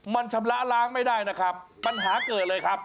มันชำระล้างไม่ได้นะครับปัญหาเกิดเลยครับ